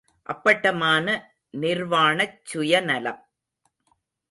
அப்பட்டமான நிர்வாணச் சுயநலம்!